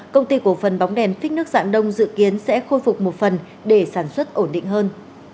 công ty cổ phần bóng đèn phích nước dạng đông dự kiến sẽ khôi phục một phần để sản xuất ổn định hơn